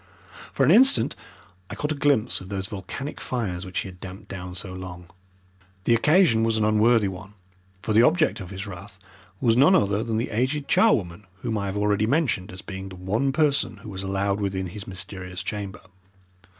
For an instant I caught a glimpse of those volcanic fires which he had damped down so long. The occasion was an unworthy one, for the object of his wrath was none other than the aged charwoman whom I have already mentioned as being the one person who was allowed within his mysterious chamber.